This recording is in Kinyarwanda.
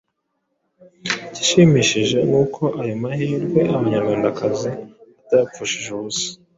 Igishimishije ni uko ayo mahirwe Abanyarwandakazi batayapfushije busa.